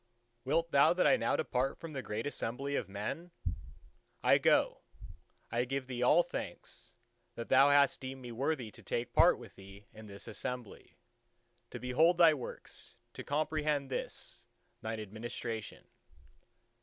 Wilt Thou that I now depart from the great Assembly of men? I go: I give Thee all thanks, that Thou hast deemed me worthy to take part with Thee in this Assembly: to behold Thy works, to comprehend this Thine administration."